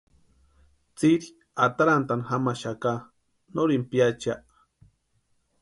Tsiri atarantʼani jamaxaka nori piachiaa.